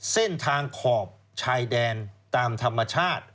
เส้นทางขอบชายแดนตามธรรมชาติ